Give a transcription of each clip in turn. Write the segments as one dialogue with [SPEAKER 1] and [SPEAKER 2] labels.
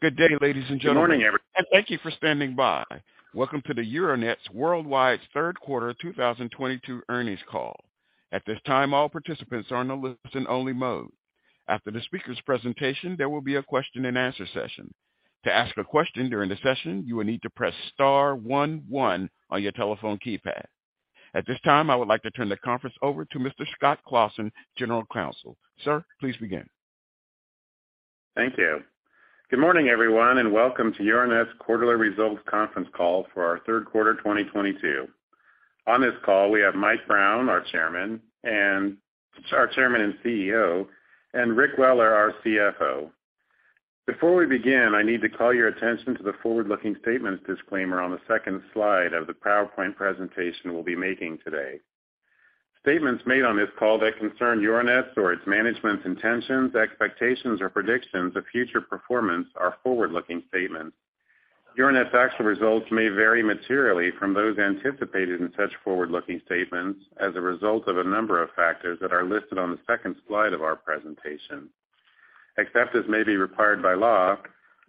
[SPEAKER 1] Good day, ladies and gentlemen. Good morning. Thank you for standing by. Welcome to the Euronet Worldwide's third quarter 2022 earnings call. At this time, all participants are in a listen only mode. After the speaker's presentation, there will be a question and answer session. To ask a question during the session, you will need to press star one one on your telephone keypad. At this time, I would like to turn the conference over to Mr. Scott Claassen, General Counsel. Sir, please begin.
[SPEAKER 2] Thank you. Good morning, everyone, and welcome to Euronet Worldwide's quarterly results conference call for our third quarter 2022. On this call, we have Mike Brown, our Chairman and CEO, and Rick Weller, our CFO. Before we begin, I need to call your attention to the forward-looking statements disclaimer on the second slide of the PowerPoint presentation we'll be making today. Statements made on this call that concern Euronet Worldwide or its management's intentions, expectations, or predictions of future performance are forward-looking statements. Euronet Worldwide's actual results may vary materially from those anticipated in such forward-looking statements as a result of a number of factors that are listed on the second slide of our presentation. Except as may be required by law,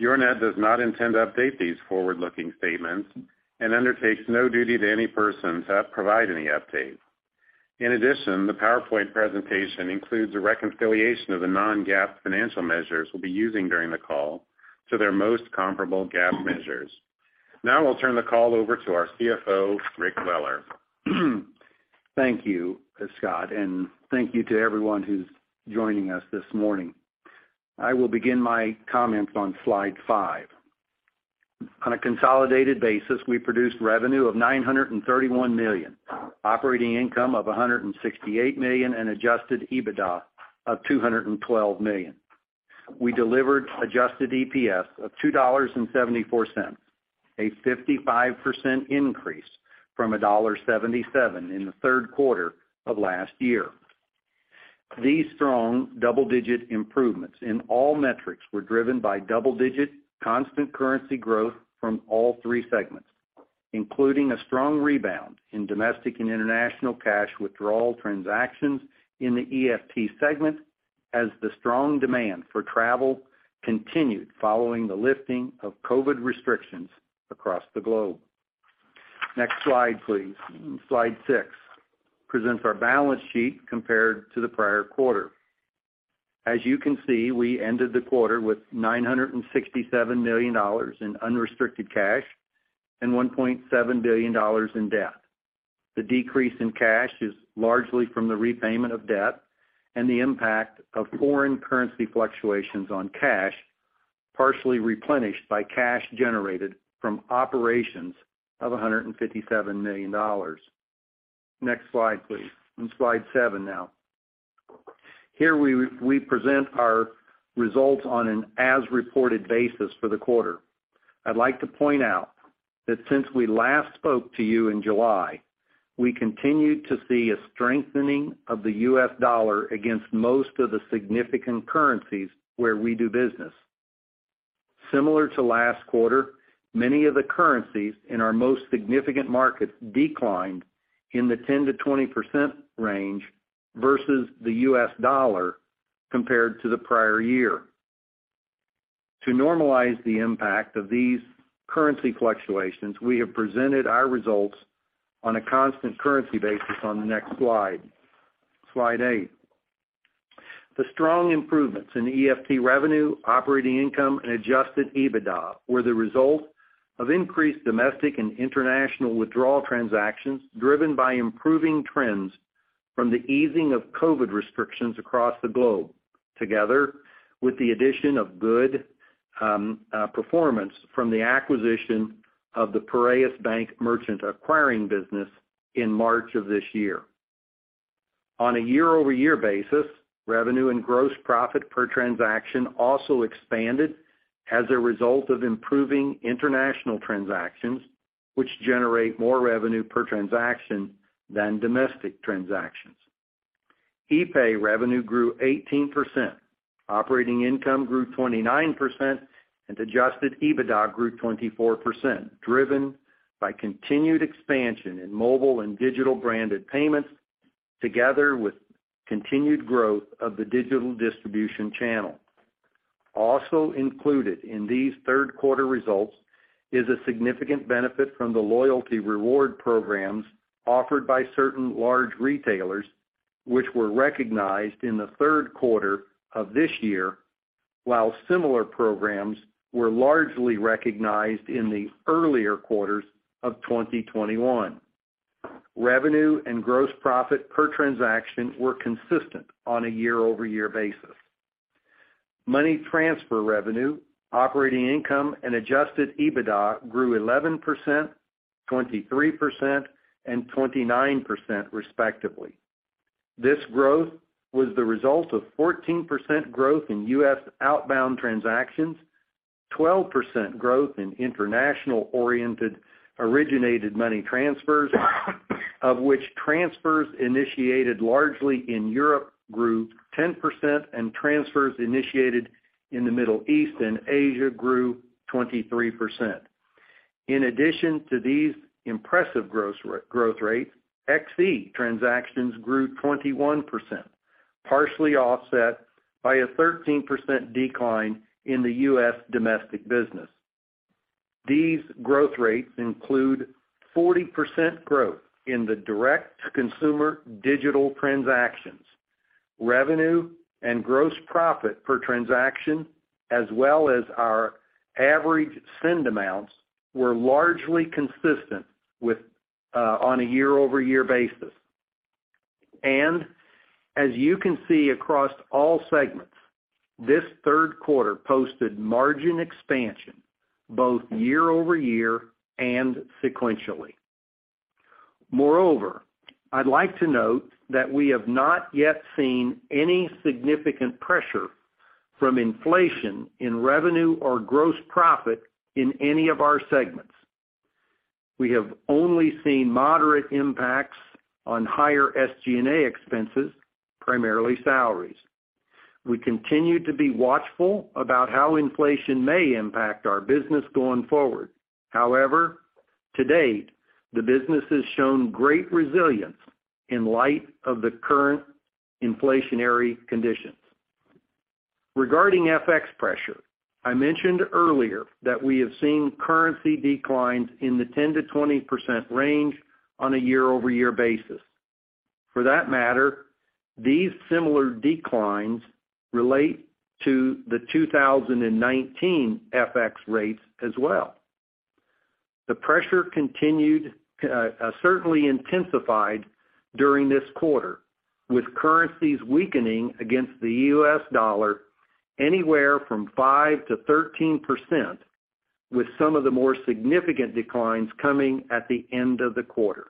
[SPEAKER 2] Euronet Worldwide does not intend to update these forward-looking statements and undertakes no duty to any person to provide any update. In addition, the PowerPoint presentation includes a reconciliation of the non-GAAP financial measures we'll be using during the call to their most comparable GAAP measures. Now I'll turn the call over to our CFO, Rick Weller.
[SPEAKER 3] Thank you, Scott, and thank you to everyone who's joining us this morning. I will begin my comments on slide 5. On a consolidated basis, we produced revenue of $931 million, operating income of $168 million, and adjusted EBITDA of $212 million. We delivered adjusted EPS of $2.74, a 55% increase from $1.77 in the third quarter of last year. These strong double-digit improvements in all metrics were driven by double-digit constant currency growth from all three segments, including a strong rebound in domestic and international cash withdrawal transactions in the EFT segment as the strong demand for travel continued following the lifting of COVID restrictions across the globe. Next slide, please. Slide 6 presents our balance sheet compared to the prior quarter. As you can see, we ended the quarter with $967 million in unrestricted cash and $1.7 billion in debt. The decrease in cash is largely from the repayment of debt and the impact of foreign currency fluctuations on cash, partially replenished by cash generated from operations of $157 million. Next slide, please. On slide seven now. Here we present our results on an as-reported basis for the quarter. I'd like to point out that since we last spoke to you in July, we continued to see a strengthening of the U.S. dollar against most of the significant currencies where we do business. Similar to last quarter, many of the currencies in our most significant markets declined in the 10%-20% range versus the U.S. dollar compared to the prior year. To normalize the impact of these currency fluctuations, we have presented our results on a constant currency basis on the next slide. Slide 8. The strong improvements in EFT revenue, operating income, and adjusted EBITDA were the result of increased domestic and international withdrawal transactions driven by improving trends from the easing of COVID restrictions across the globe, together with the addition of good performance from the acquisition of the Piraeus Bank merchant acquiring business in March of this year. On a year-over-year basis, revenue and gross profit per transaction also expanded as a result of improving international transactions, which generate more revenue per transaction than domestic transactions. epay revenue grew 18%, operating income grew 29%, and adjusted EBITDA grew 24%, driven by continued expansion in mobile and digital branded payments together with continued growth of the digital distribution channel. Also included in these third quarter results is a significant benefit from the loyalty reward programs offered by certain large retailers which were recognized in the third quarter of this year, while similar programs were largely recognized in the earlier quarters of 2021. Revenue and gross profit per transaction were consistent on a year-over-year basis. Money transfer revenue, operating income, and adjusted EBITDA grew 11%, 23%, and 29% respectively. This growth was the result of 14% growth in U.S. outbound transactions, 12% growth in international-oriented originated money transfers, of which transfers initiated largely in Europe grew 10%, and transfers initiated in the Middle East and Asia grew 23%. In addition to these impressive growth rates, FX transactions grew 21%, partially offset by a 13% decline in the U.S. domestic business. These growth rates include 40% growth in the direct-to-consumer digital transactions. Revenue and gross profit per transaction, as well as our average send amounts, were largely consistent with on a year-over-year basis. As you can see across all segments, this third quarter posted margin expansion both year-over-year and sequentially. Moreover, I'd like to note that we have not yet seen any significant pressure from inflation in revenue or gross profit in any of our segments. We have only seen moderate impacts on higher SG&A expenses, primarily salaries. We continue to be watchful about how inflation may impact our business going forward. However, to date, the business has shown great resilience in light of the current inflationary conditions. Regarding FX pressure, I mentioned earlier that we have seen currency declines in the 10%-20% range on a year-over-year basis. For that matter, these similar declines relate to the 2019 FX rates as well. The pressure continued, certainly intensified during this quarter, with currencies weakening against the US dollar anywhere from 5%-13%, with some of the more significant declines coming at the end of the quarter.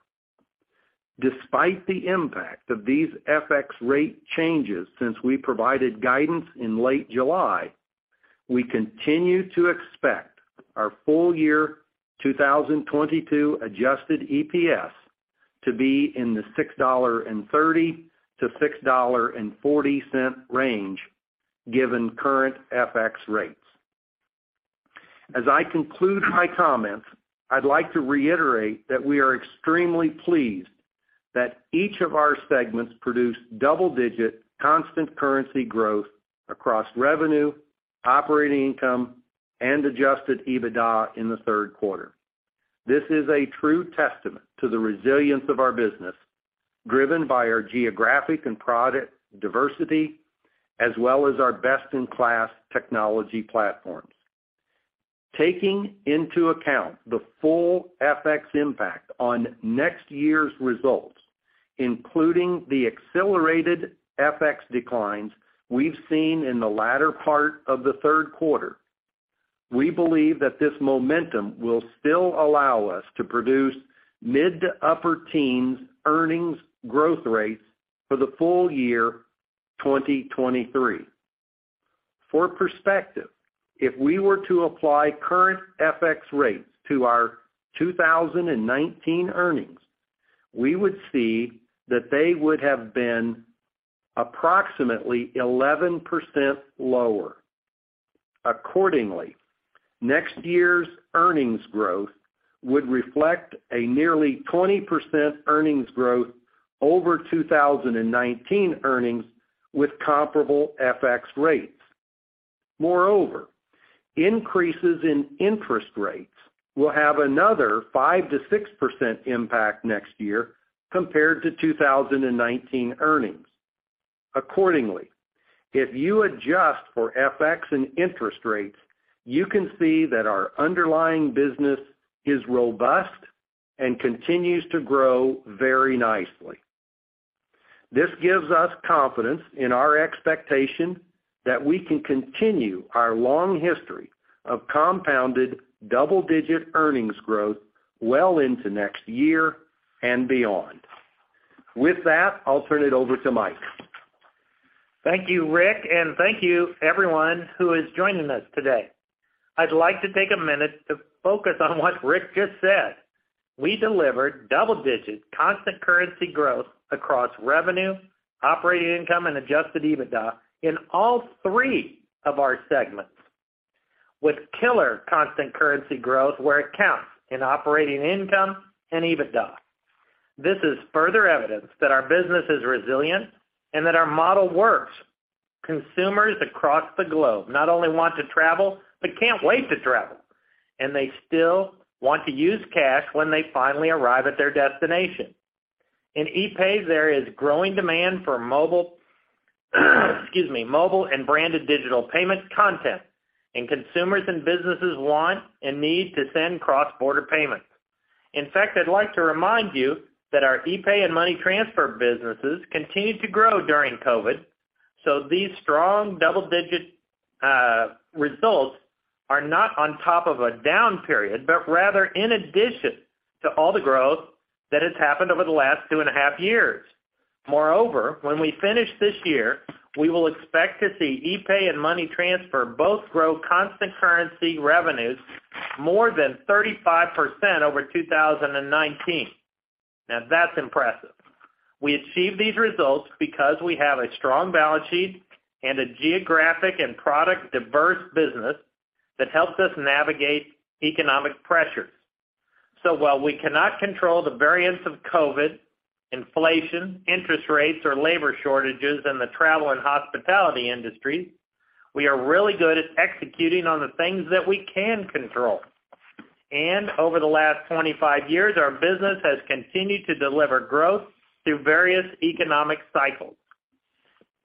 [SPEAKER 3] Despite the impact of these FX rate changes since we provided guidance in late July, we continue to expect our full year 2022 adjusted EPS to be in the $6.30-$6.40 range given current FX rates. As I conclude my comments, I'd like to reiterate that we are extremely pleased that each of our segments produced double-digit constant currency growth across revenue, operating income, and adjusted EBITDA in the third quarter. This is a true testament to the resilience of our business, driven by our geographic and product diversity, as well as our best-in-class technology platforms. Taking into account the full FX impact on next year's results, including the accelerated FX declines we've seen in the latter part of the third quarter, we believe that this momentum will still allow us to produce mid- to upper-teens earnings growth rates for the full year 2023. For perspective, if we were to apply current FX rates to our 2019 earnings, we would see that they would have been approximately 11% lower. Accordingly, next year's earnings growth would reflect a nearly 20% earnings growth over 2019 earnings with comparable FX rates. Moreover, increases in interest rates will have another 5%-6% impact next year compared to 2019 earnings. Accordingly, if you adjust for FX and interest rates, you can see that our underlying business is robust and continues to grow very nicely. This gives us confidence in our expectation that we can continue our long history of compounded double-digit earnings growth well into next year and beyond. With that, I'll turn it over to Mike.
[SPEAKER 4] Thank you, Rick, and thank you everyone who is joining us today. I'd like to take a minute to focus on what Rick just said. We delivered double-digit constant currency growth across revenue, operating income, and adjusted EBITDA in all three of our segments with killer constant currency growth where it counts, in operating income and EBITDA. This is further evidence that our business is resilient and that our model works. Consumers across the globe not only want to travel, but can't wait to travel, and they still want to use cash when they finally arrive at their destination. In ePay, there is growing demand for mobile and branded digital payment content, and consumers and businesses want and need to send cross-border payments. In fact, I'd like to remind you that our ePay and money transfer businesses continued to grow during COVID. These strong double-digit results are not on top of a down period, but rather in addition to all the growth that has happened over the last 2.5 years. Moreover, when we finish this year, we will expect to see epay and money transfer both grow constant currency revenues more than 35% over 2019. Now that's impressive. We achieved these results because we have a strong balance sheet and a geographic and product-diverse business that helps us navigate economic pressures. While we cannot control the variance of COVID, inflation, interest rates, or labor shortages in the travel and hospitality industry, we are really good at executing on the things that we can control. Over the last 25 years, our business has continued to deliver growth through various economic cycles.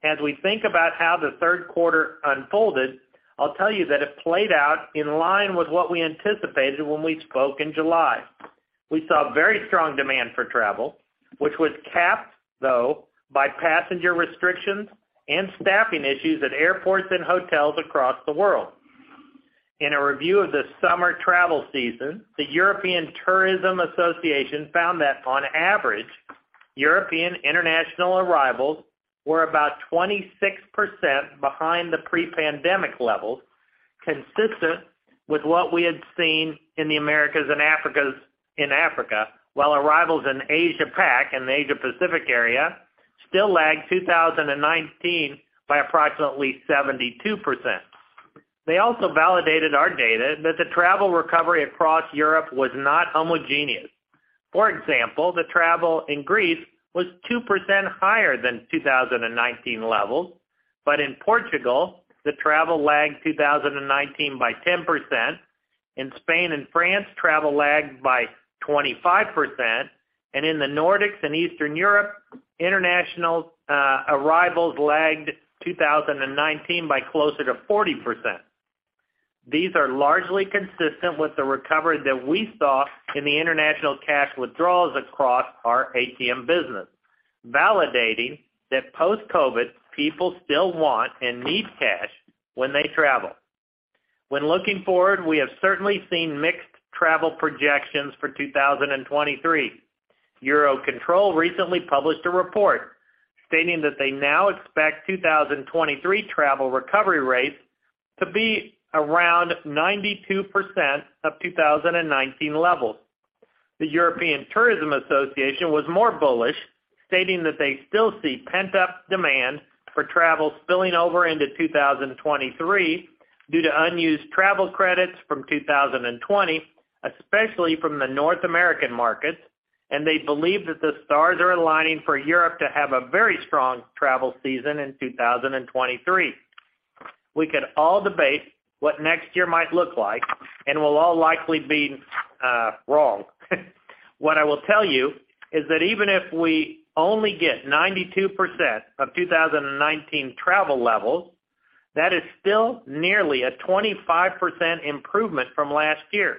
[SPEAKER 4] As we think about how the third quarter unfolded, I'll tell you that it played out in line with what we anticipated when we spoke in July. We saw very strong demand for travel, which was capped, though, by passenger restrictions and staffing issues at airports and hotels across the world. In a review of the summer travel season, the European Tourism Association found that on average, European international arrivals were about 26% behind the pre-pandemic levels, consistent with what we had seen in the Americas and in Africa, while arrivals in Asia Pac, in the Asia Pacific area, still lagged 2019 by approximately 72%. They also validated our data that the travel recovery across Europe was not homogeneous. For example, the travel in Greece was 2% higher than 2019 levels. In Portugal, the travel lagged 2019 by 10%. In Spain and France, travel lagged by 25%. In the Nordics and Eastern Europe, international arrivals lagged 2019 by closer to 40%. These are largely consistent with the recovery that we saw in the international cash withdrawals across our ATM business, validating that post-COVID, people still want and need cash when they travel. When looking forward, we have certainly seen mixed travel projections for 2023. Eurocontrol recently published a report stating that they now expect 2023 travel recovery rates to be around 92% of 2019 levels. The European Tourism Association was more bullish, stating that they still see pent-up demand for travel spilling over into 2023 due to unused travel credits from 2020, especially from the North American markets, and they believe that the stars are aligning for Europe to have a very strong travel season in 2023. We could all debate what next year might look like, and we'll all likely be wrong. What I will tell you is that even if we only get 92% of 2019 travel levels, that is still nearly a 25% improvement from last year.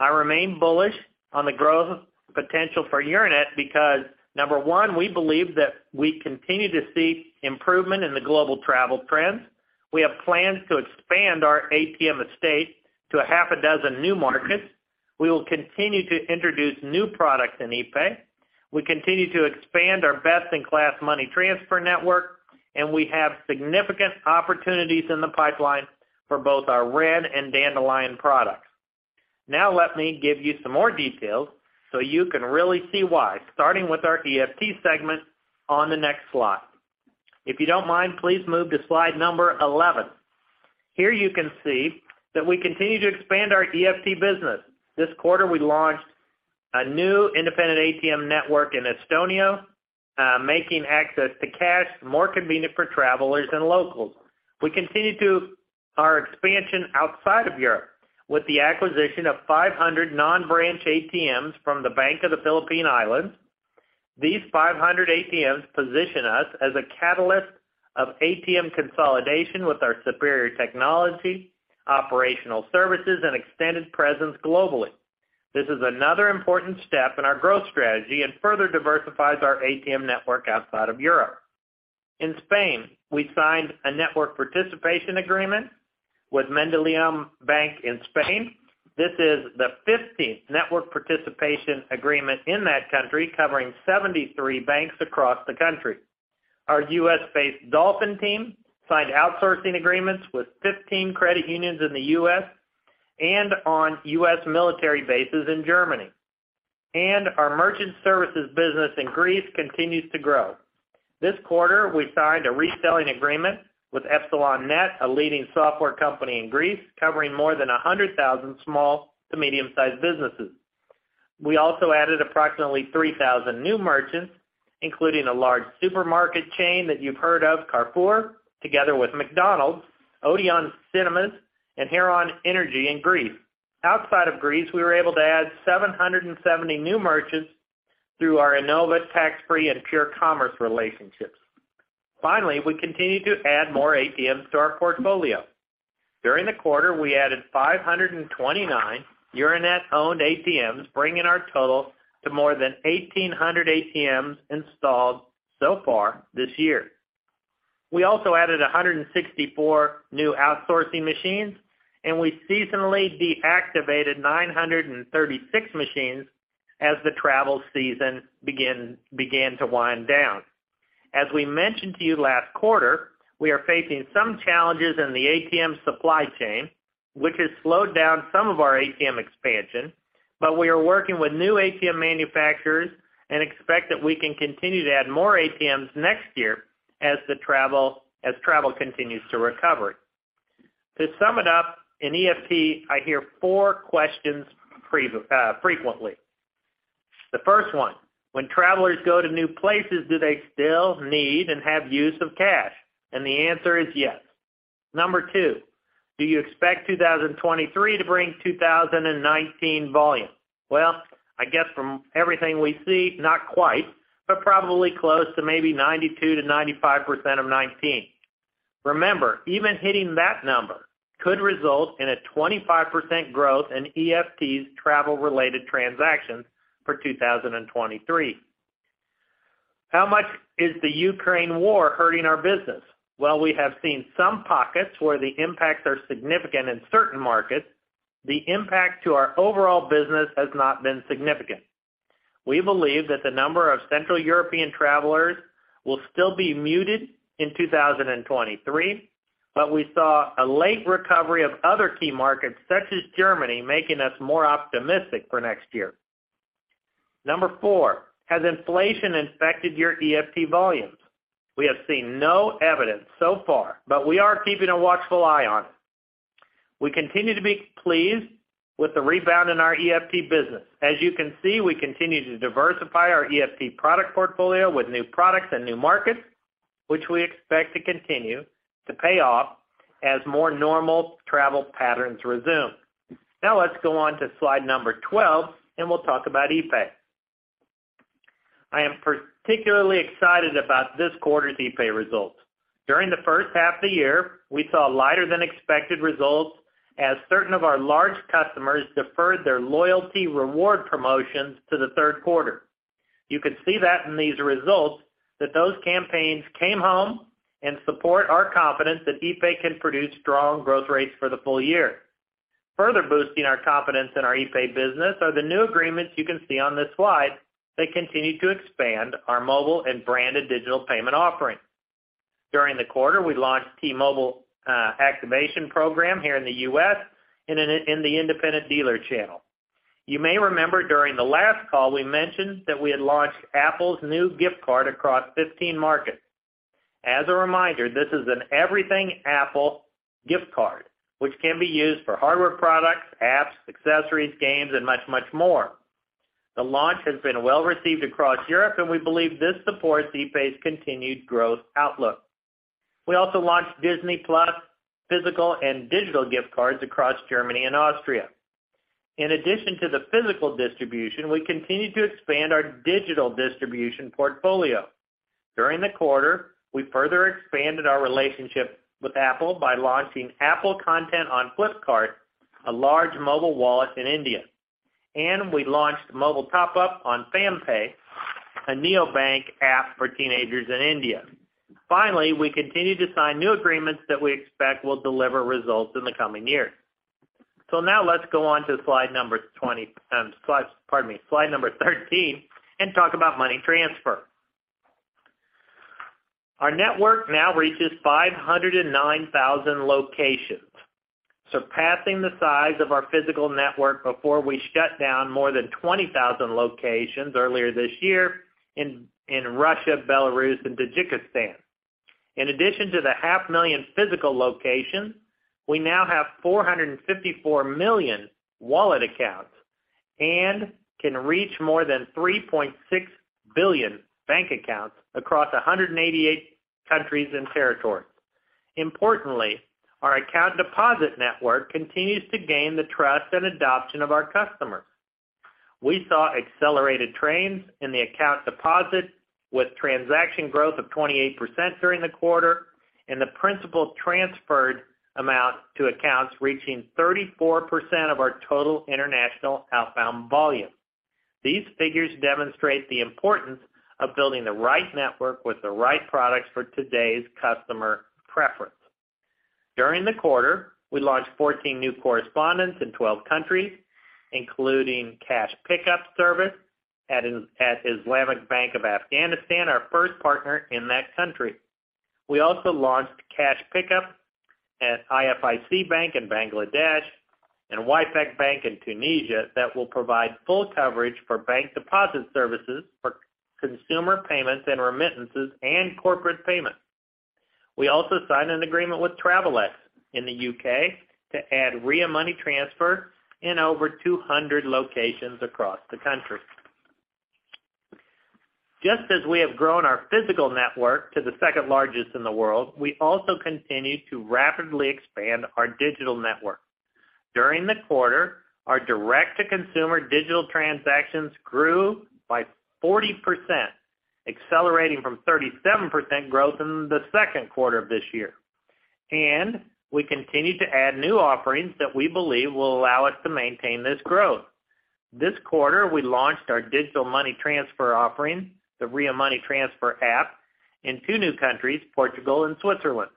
[SPEAKER 4] I remain bullish on the growth potential for Euronet because, number one, we believe that we continue to see improvement in the global travel trends. We have plans to expand our ATM estate to have new markets. We will continue to introduce new products in epay. We continue to expand our best-in-class money transfer network, and we have significant opportunities in the pipeline for both our Ren and Dandelion products. Now let me give you some more details so you can really see why, starting with our EFT segment on the next slide. If you don't mind, please move to slide number 11. Here you can see that we continue to expand our EFT business. This quarter, we launched a new independent ATM network in Estonia, making access to cash more convenient for travelers and locals. We continue to our expansion outside of Europe with the acquisition of 500 non-branch ATMs from the Bank of the Philippine Islands. These 500 ATMs position us as a catalyst of ATM consolidation with our superior technology, operational services, and extended presence globally. This is another important step in our growth strategy and further diversifies our ATM network outside of Europe. In Spain, we signed a network participation agreement with Banco Mediolanum in Spain. This is the 15th network participation agreement in that country, covering 73 banks across the country. Our U.S.-based Dolphin team signed outsourcing agreements with 15 credit unions in the U.S. and on U.S. military bases in Germany. Our merchant services business in Greece continues to grow. This quarter, we signed a reselling agreement with Epsilon Net, a leading software company in Greece, covering more than 100,000 small to medium-sized businesses. We also added approximately 3,000 new merchants, including a large supermarket chain that you've heard of, Carrefour, together with McDonald's, Odeon Cinemas, and Heron in Greece. Outside of Greece, we were able to add 770 new merchants through our Innova Tax Free and Pure Commerce relationships. Finally, we continued to add more ATMs to our portfolio. During the quarter, we added 529 Euronet-owned ATMs, bringing our total to more than 1,800 ATMs installed so far this year. We also added 164 new outsourcing machines, and we seasonally deactivated 936 machines as the travel season began to wind down. As we mentioned to you last quarter, we are facing some challenges in the ATM supply chain, which has slowed down some of our ATM expansion. We are working with new ATM manufacturers and expect that we can continue to add more ATMs next year as travel continues to recover. To sum it up, in EFT, I hear four questions frequently. The first one: When travelers go to new places, do they still need and have use of cash? The answer is yes. Number two: Do you expect 2023 to bring 2019 volume? Well, I guess from everything we see, not quite, but probably close to maybe 92%-95% of 2019. Remember, even hitting that number could result in a 25% growth in EFT's travel-related transactions for 2023. How much is the Ukraine war hurting our business? Well, we have seen some pockets where the impacts are significant in certain markets. The impact to our overall business has not been significant. We believe that the number of Central European travelers will still be muted in 2023, but we saw a late recovery of other key markets such as Germany, making us more optimistic for next year. Number four. Has inflation infected your EFT volumes? We have seen no evidence so far, but we are keeping a watchful eye on it. We continue to be pleased with the rebound in our EFT business. As you can see, we continue to diversify our EFT product portfolio with new products and new markets, which we expect to continue to pay off as more normal travel patterns resume. Now let's go on to slide number 12, and we'll talk about ePay. I am particularly excited about this quarter's ePay results. During the first half of the year, we saw lighter than expected results as certain of our large customers deferred their loyalty reward promotions to the third quarter. You can see that in these results that those campaigns came home and support our confidence that epay can produce strong growth rates for the full year. Further boosting our confidence in our epay business are the new agreements you can see on this slide that continue to expand our mobile and branded digital payment offering. During the quarter, we launched T-Mobile activation program here in the U.S. and in the independent dealer channel. You may remember during the last call, we mentioned that we had launched Apple's new gift card across 15 markets. As a reminder, this is an everything Apple gift card, which can be used for hardware products, apps, accessories, games and much, much more. The launch has been well-received across Europe, and we believe this supports epay's continued growth outlook. We also launched Disney+ physical and digital gift cards across Germany and Austria. In addition to the physical distribution, we continue to expand our digital distribution portfolio. During the quarter, we further expanded our relationship with Apple by launching Apple content on Flipkart, a large mobile wallet in India, and we launched mobile top-up on FamPay, a neobank app for teenagers in India. Finally, we continue to sign new agreements that we expect will deliver results in the coming years. Now let's go on to slide number 13 and talk about money transfer. Our network now reaches 509,000 locations, surpassing the size of our physical network before we shut down more than 20,000 locations earlier this year in Russia, Belarus and Tajikistan. In addition to the 500,000 physical locations, we now have 454 million wallet accounts and can reach more than 3.6 billion bank accounts across 188 countries and territories. Importantly, our account deposit network continues to gain the trust and adoption of our customers. We saw accelerated trends in the account deposit with transaction growth of 28% during the quarter and the principal transferred amount to accounts reaching 34% of our total international outbound volume. These figures demonstrate the importance of building the right network with the right products for today's customer preference. During the quarter, we launched 14 new correspondents in 12 countries, including cash pickup service at Islamic Bank of Afghanistan, our first partner in that country. We also launched cash pickup at IFIC Bank in Bangladesh and Wifak Bank in Tunisia that will provide full coverage for bank deposit services for consumer payments and remittances and corporate payments. We also signed an agreement with Travelex in the UK to add Ria Money Transfer in over 200 locations across the country. Just as we have grown our physical network to the second largest in the world, we also continue to rapidly expand our digital network. During the quarter, our direct-to-consumer digital transactions grew by 40%, accelerating from 37% growth in the second quarter of this year. We continue to add new offerings that we believe will allow us to maintain this growth. This quarter, we launched our digital money transfer offering, the Ria Money Transfer app, in 2 new countries, Portugal and Switzerland.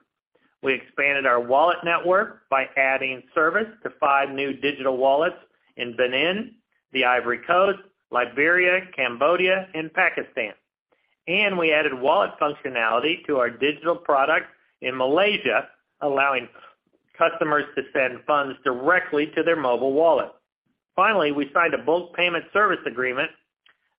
[SPEAKER 4] We expanded our wallet network by adding service to five new digital wallets in Benin, the Ivory Coast, Liberia, Cambodia and Pakistan. We added wallet functionality to our digital product in Malaysia, allowing customers to send funds directly to their mobile wallet. Finally, we signed a bulk payment service agreement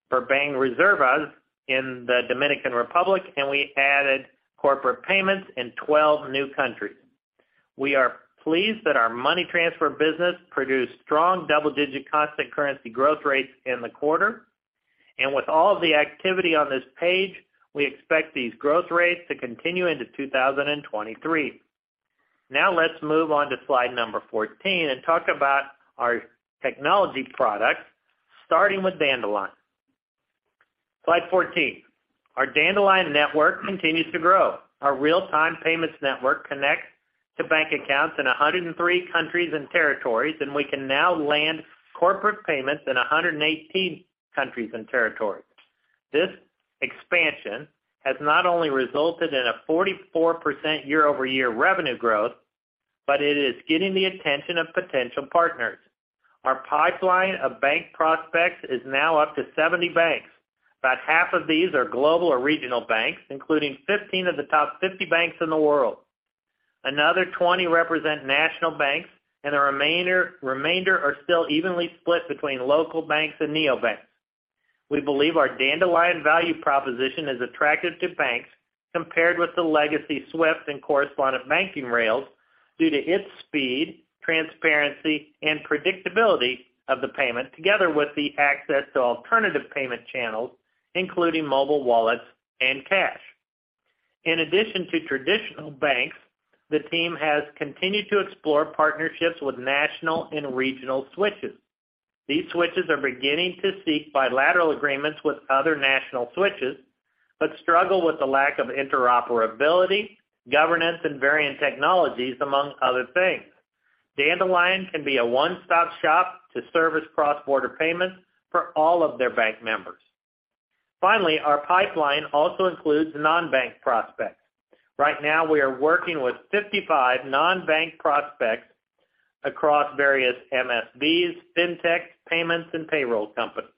[SPEAKER 4] for Banreservas in the Dominican Republic, and we added corporate payments in 12 new countries. We are pleased that our money transfer business produced strong double-digit constant currency growth rates in the quarter. With all the activity on this page, we expect these growth rates to continue into 2023. Now let's move on to slide number 14 and talk about our technology products, starting with Dandelion. Slide 14. Our Dandelion network continues to grow. Our real-time payments network connects to bank accounts in 103 countries and territories, and we can now land corporate payments in 118 countries and territories. This expansion has not only resulted in a 44% year-over-year revenue growth, but it is getting the attention of potential partners. Our pipeline of bank prospects is now up to 70 banks. About half of these are global or regional banks, including 15 of the top 50 banks in the world. Another 20 represent national banks and the remainder are still evenly split between local banks and neobanks. We believe our Dandelion value proposition is attractive to banks compared with the legacy SWIFT and correspondent banking rails due to its speed, transparency and predictability of the payment, together with the access to alternative payment channels, including mobile wallets and cash. In addition to traditional banks, the team has continued to explore partnerships with national and regional switches. These switches are beginning to seek bilateral agreements with other national switches, but struggle with the lack of interoperability, governance and varying technologies, among other things. Dandelion can be a one-stop-shop to service cross-border payments for all of their bank members. Finally, our pipeline also includes non-bank prospects. Right now we are working with 55 non-bank prospects across various MSBs, Fintech, payments and payroll companies.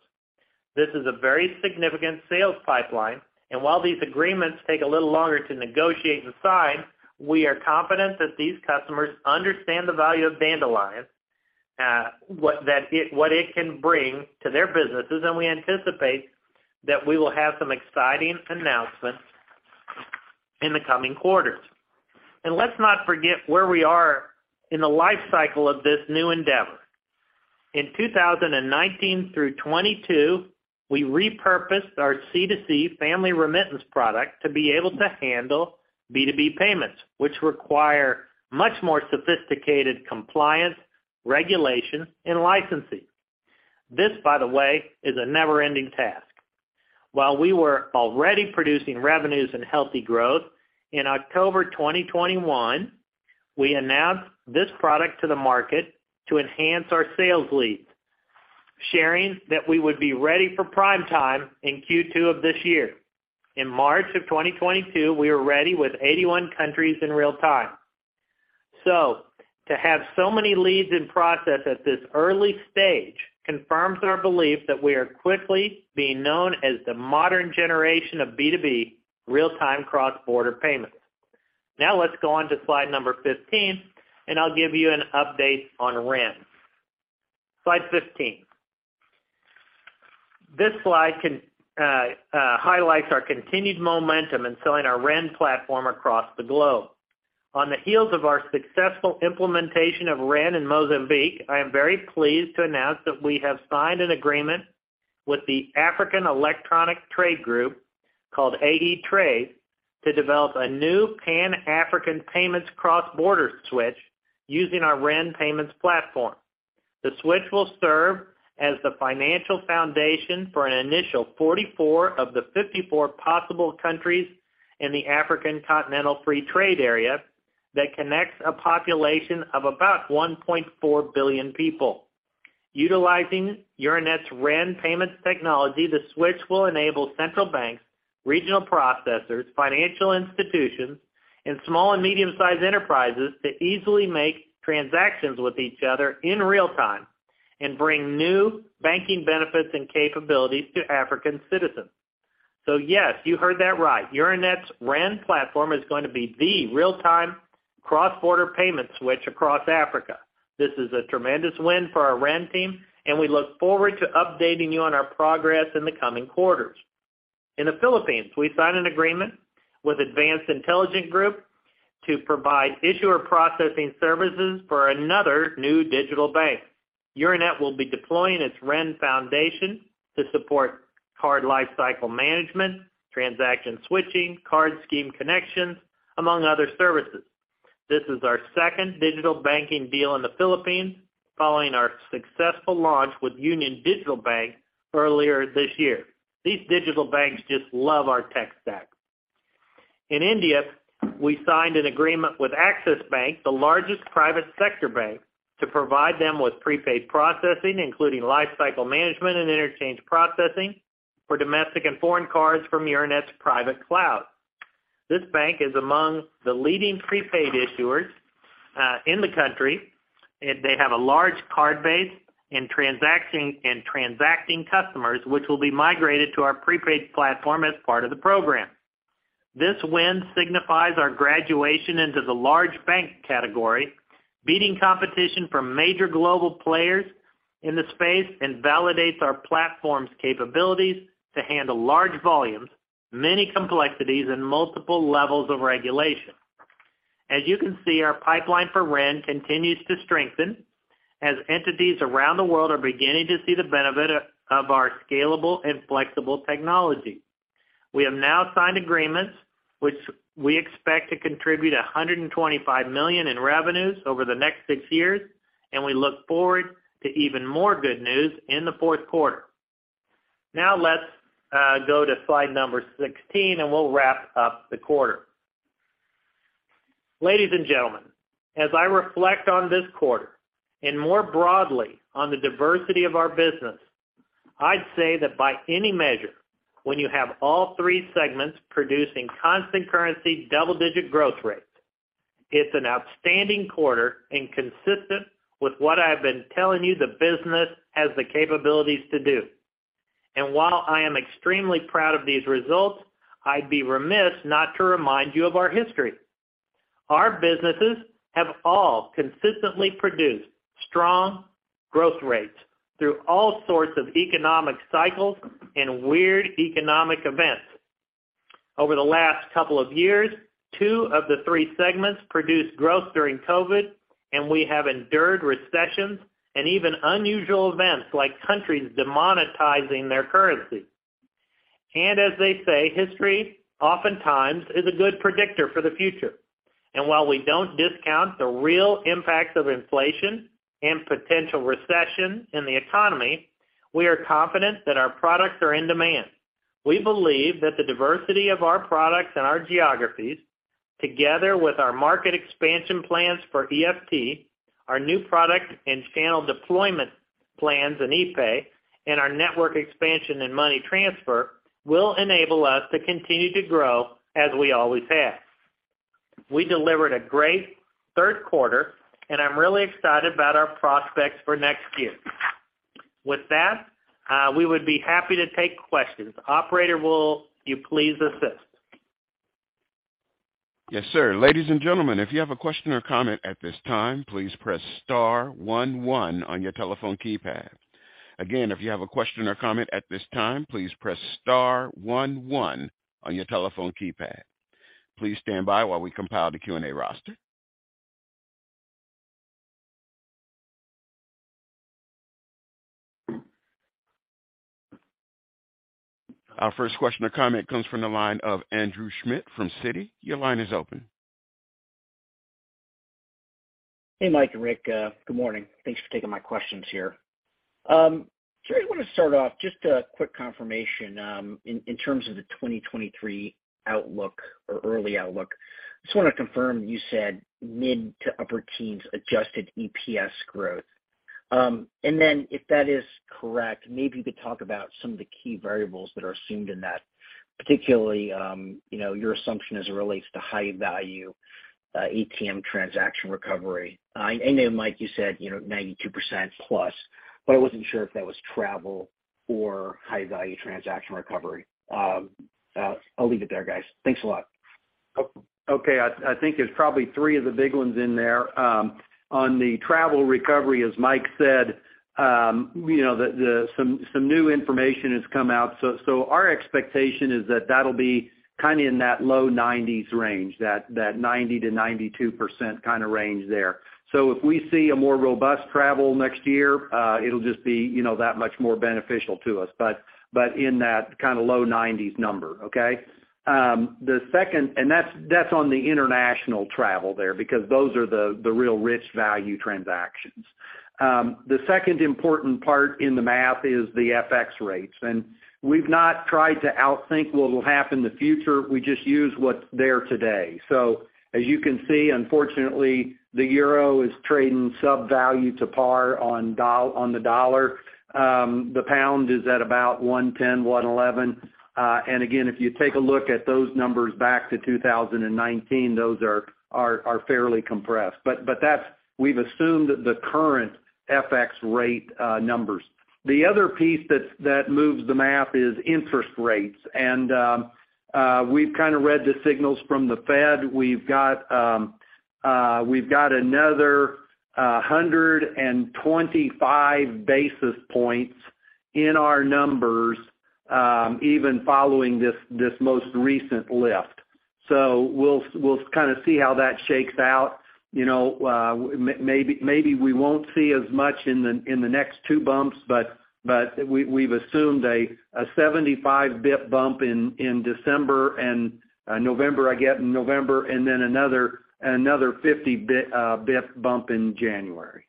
[SPEAKER 4] This is a very significant sales pipeline, and while these agreements take a little longer to negotiate and sign, we are confident that these customers understand the value of Dandelion, what it can bring to their businesses, and we anticipate that we will have some exciting announcements in the coming quarters. Let's not forget where we are in the life cycle of this new endeavor. In 2019 through 2022, we repurposed our C2C family remittance product to be able to handle B2B payments, which require much more sophisticated compliance, regulation and licensing. This, by the way, is a never-ending task. While we were already producing revenues and healthy growth, in October 2021, we announced this product to the market to enhance our sales leads, sharing that we would be ready for prime time in Q2 of this year. In March of 2022, we were ready with 81 countries in real time. to have so many leads in process at this early stage confirms our belief that we are quickly being known as the modern generation of B2B real-time cross-border payments. Now let's go on to slide number 15, and I'll give you an update on Ren. Slide 15. This slide highlights our continued momentum in selling our Ren platform across the globe. On the heels of our successful implementation of Ren in Mozambique, I am very pleased to announce that we have signed an agreement with the African Electronic Trade Group, called AE Trade, to develop a new Pan-African payments cross-border switch using our Ren payments platform. The switch will serve as the financial foundation for an initial 44 of the 54 possible countries in the African Continental Free Trade Area that connects a population of about 1.4 billion people. Utilizing Euronet's REN payments technology, the switch will enable central banks, regional processors, financial institutions, and small and medium-sized enterprises to easily make transactions with each other in real time and bring new banking benefits and capabilities to African citizens. Yes, you heard that right. Euronet's REN platform is going to be the real-time cross-border payment switch across Africa. This is a tremendous win for our REN team, and we look forward to updating you on our progress in the coming quarters. In the Philippines, we signed an agreement with Advanced Intelligent Group to provide issuer processing services for another new digital bank. Euronet will be deploying its REN foundation to support card lifecycle management, transaction switching, card scheme connections among other services. This is our second digital banking deal in the Philippines following our successful launch with UnionDigital Bank earlier this year. These digital banks just love our tech stack. In India, we signed an agreement with Axis Bank, the largest private sector bank, to provide them with prepaid processing, including lifecycle management and interchange processing for domestic and foreign cards from Euronet's private cloud. This bank is among the leading prepaid issuers in the country. They have a large card base and transacting customers, which will be migrated to our prepaid platform as part of the program. This win signifies our graduation into the large bank category, beating competition from major global players in the space, and validates our platform's capabilities to handle large volumes, many complexities and multiple levels of regulation. As you can see, our pipeline for Ren continues to strengthen as entities around the world are beginning to see the benefit of our scalable and flexible technology. We have now signed agreements, which we expect to contribute $125 million in revenues over the next 6 years, and we look forward to even more good news in the fourth quarter. Now let's go to slide number 16, and we'll wrap up the quarter. Ladies and gentlemen, as I reflect on this quarter and more broadly on the diversity of our business, I'd say that by any measure, when you have all 3 segments producing constant currency double-digit growth rates, it's an outstanding quarter and consistent with what I've been telling you the business has the capabilities to do. While I am extremely proud of these results, I'd be remiss not to remind you of our history. Our businesses have all consistently produced strong growth rates through all sorts of economic cycles and weird economic events. Over the last couple of years, two of the three segments produced growth during COVID, and we have endured recessions and even unusual events like countries demonetizing their currency. As they say, history oftentimes is a good predictor for the future. While we don't discount the real impacts of inflation and potential recession in the economy, we are confident that our products are in demand. We believe that the diversity of our products and our geographies, together with our market expansion plans for EFT, our new product and channel deployment plans in epay, and our network expansion in money transfer, will enable us to continue to grow as we always have. We delivered a great third quarter, and I'm really excited about our prospects for next year. With that, we would be happy to take questions. Operator, will you please assist?
[SPEAKER 1] Yes, sir. Ladies and gentlemen, if you have a question or comment at this time, please press star one one on your telephone keypad. Again, if you have a question or comment at this time, please press star one one on your telephone keypad. Please stand by while we compile the Q&A roster. Our first question or comment comes from the line of Andrew Schmidt from Citi. Your line is open.
[SPEAKER 5] Hey, Mike and Rick. Good morning. Thanks for taking my questions here. Rick, I want to start off just a quick confirmation, in terms of the 2023 outlook or early outlook. Just want to confirm you said mid- to upper-teens adjusted EPS growth. And then if that is correct, maybe you could talk about some of the key variables that are assumed in that, particularly, you know, your assumption as it relates to high-value ATM transaction recovery. I know, Mike, you said, you know, 92%+, but I wasn't sure if that was travel or high-value transaction recovery. I'll leave it there, guys. Thanks a lot.
[SPEAKER 4] Okay. I think there's probably three of the big ones in there. On the travel recovery, as Mike said, you know, some new information has come out. Our expectation is that that'll be kind of in that low 90s range, 90%-92% kind of range there. If we see a more robust travel next year, it'll just be, you know, that much more beneficial to us, in that kind of low 90s number. Okay? That's on the international travel there because those are the real rich value transactions. The second important part in the math is the FX rates, and we've not tried to outthink what will happen in the future. We just use what's there today. As you can see, unfortunately, the euro is trading sub-value to par on the dollar. The pound is at about 1.10, 1.11. Again, if you take a look at those numbers back to 2019, those are fairly compressed. We've assumed the current FX rate numbers. The other piece that moves the math is interest rates. We've kind of read the signals from the Fed. We've got another 125 basis points in our numbers, even following this most recent lift. We'll kind of see how that shakes out. You know, maybe we won't see as much in the next two bumps, but we've assumed a 75 basis point bump in December and November, I get November, and then another 50 basis point bump in January.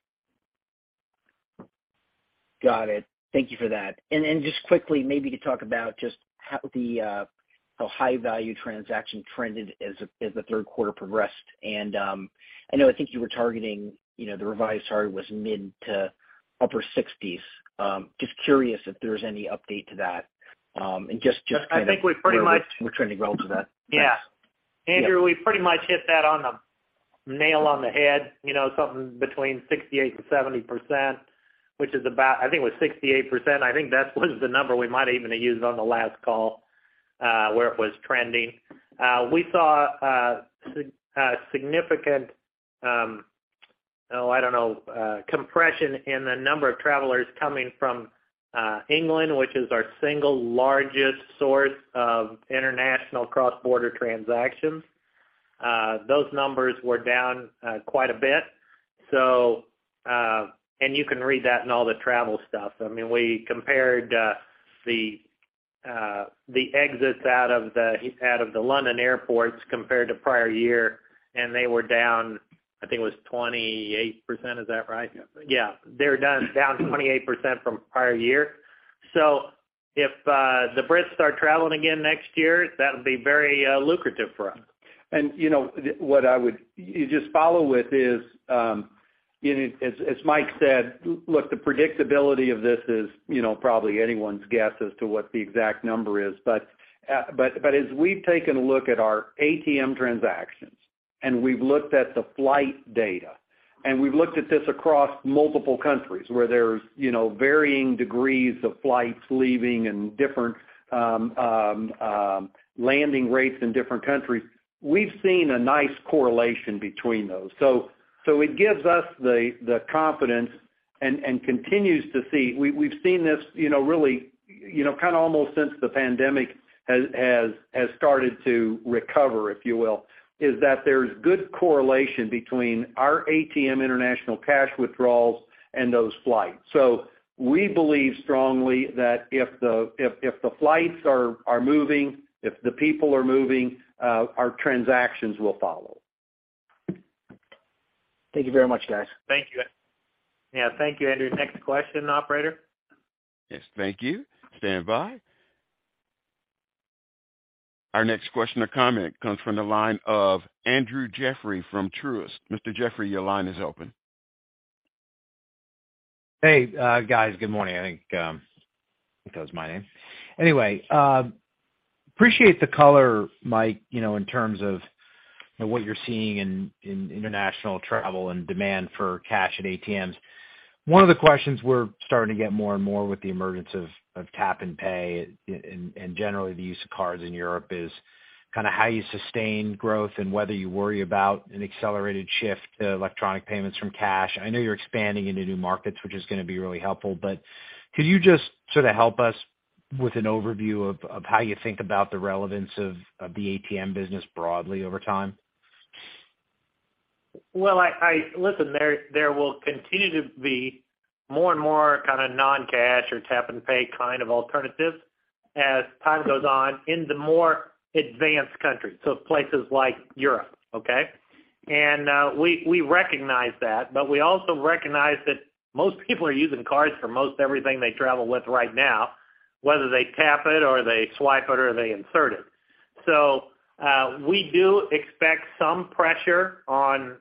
[SPEAKER 5] Got it. Thank you for that. Just quickly, maybe to talk about just how the high value transaction trended as the third quarter progressed. I know I think you were targeting, you know, the revised target was mid- to upper 60s. Just curious if there's any update to that. Just kind of-
[SPEAKER 4] I think we pretty much.
[SPEAKER 5] We're trending well to that.
[SPEAKER 4] Yeah.
[SPEAKER 5] Yeah.
[SPEAKER 4] Andrew, we pretty much hit that on the nail on the head, you know, something between 68%-70%, which is about, I think it was 68%. I think that was the number we might even have used on the last call, where it was trending. We saw significant, oh, I don't know, compression in the number of travelers coming from England, which is our single largest source of international cross-border transactions. Those numbers were down quite a bit. You can read that in all the travel stuff. I mean, we compared the exits out of the London airports compared to prior year, and they were down, I think it was 28%. Is that right?
[SPEAKER 3] Yeah.
[SPEAKER 4] Yeah. They were down 28% from prior year. If the Brits start traveling again next year, that'll be very lucrative for us.
[SPEAKER 3] You know, you just follow with is, you know, as Mike said, look, the predictability of this is, you know, probably anyone's guess as to what the exact number is. As we've taken a look at our ATM transactions, and we've looked at the flight data, and we've looked at this across multiple countries where there's, you know, varying degrees of flights leaving and different landing rates in different countries, we've seen a nice correlation between those. It gives us the confidence and continues to see. We've seen this, you know, really, you know, kind of almost since the pandemic has started to recover, if you will, is that there's good correlation between our ATM international cash withdrawals and those flights. We believe strongly that if the flights are moving, if the people are moving, our transactions will follow.
[SPEAKER 5] Thank you very much, guys.
[SPEAKER 4] Thank you. Yeah. Thank you, Andrew. Next question, operator.
[SPEAKER 1] Yes. Thank you. Standby. Our next question or comment comes from the line of Andrew Jeffrey from Truist. Mr. Jeffrey, your line is open.
[SPEAKER 6] Hey, guys. Good morning. I think that was my name. Anyway, appreciate the color, Mike, you know, in terms of what you're seeing in international travel and demand for cash at ATMs. One of the questions we're starting to get more and more with the emergence of tap and pay and generally the use of cards in Europe is kind of how you sustain growth and whether you worry about an accelerated shift to electronic payments from cash. I know you're expanding into new markets, which is gonna be really helpful. Could you just sort of help us with an overview of how you think about the relevance of the ATM business broadly over time?
[SPEAKER 4] Listen, there will continue to be more and more kind of non-cash or tap and pay kind of alternatives as time goes on in the more advanced countries, so places like Europe, okay? We recognize that, but we also recognize that most people are using cards for most everything they travel with right now, whether they tap it or they swipe it or they insert it. We do expect some pressure on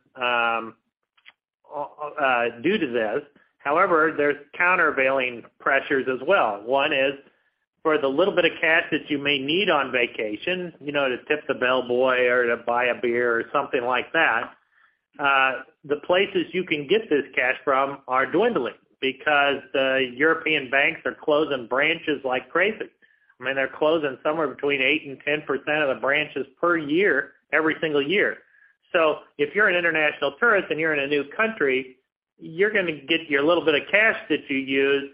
[SPEAKER 4] due to this. However, there's countervailing pressures as well. One is for the little bit of cash that you may need on vacation, you know, to tip the bellboy or to buy a beer or something like that, the places you can get this cash from are dwindling because the European banks are closing branches like crazy. I mean, they're closing somewhere between 8%-10% of the branches per year, every single year. If you're an international tourist and you're in a new country, you're gonna get your little bit of cash that you use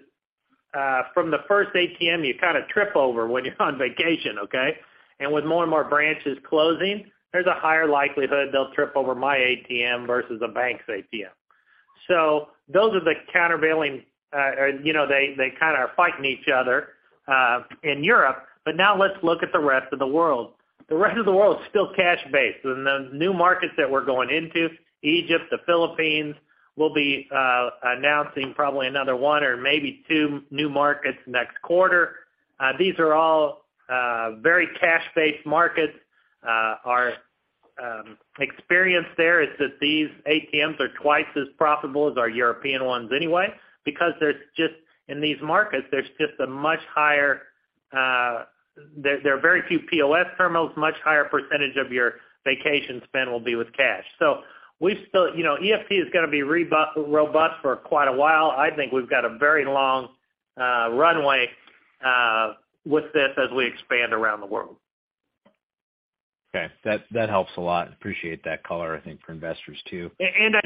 [SPEAKER 4] from the first ATM you kind of trip over when you're on vacation, okay? With more and more branches closing, there's a higher likelihood they'll trip over my ATM versus a bank's ATM. Those are the countervailing, you know, they kind of are fighting each other in Europe. Now let's look at the rest of the world. The rest of the world is still cash-based. In the new markets that we're going into, Egypt, the Philippines, we'll be announcing probably another one or maybe two new markets next quarter. These are all very cash-based markets. Our experience there is that these ATMs are twice as profitable as our European ones anyway because in these markets there are very few POS terminals, much higher percentage of your vacation spend will be with cash. We still, you know, EFT is gonna be robust for quite a while. I think we've got a very long runway with this as we expand around the world.
[SPEAKER 6] Okay. That helps a lot. Appreciate that color, I think, for investors too.
[SPEAKER 4] you know,